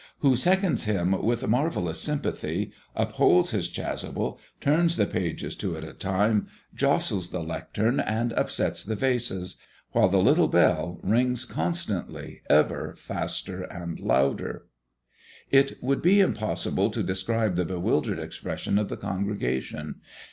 _), who seconds him with marvellous sympathy, upholds his chasuble, turns the pages two at a time, jostles the lectern, and upsets the vases, while the little bell rings constantly, ever faster and louder. It would be impossible to describe the bewildered expression of the congregation.